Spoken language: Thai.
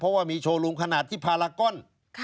เพราะว่ามีโชว์รูมขนาดที่พารากอน